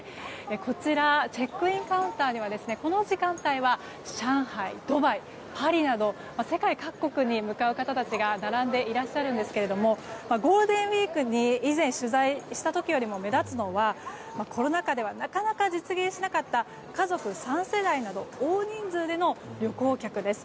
こちらチェックインカウンターにはこの時間帯は、上海、ドバイパリなど世界各国に向かう方たちが並んでいらっしゃるんですがゴールデンウィークに以前、取材した時よりも目立つのがコロナ禍ではなかなか実現しなかった家族３世代など大人数での旅行客です。